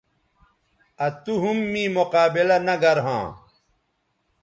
آ تو ھم می مقابلہ نہ گرھواں